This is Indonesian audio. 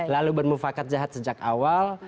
lalu bermufakat jahat sejak awal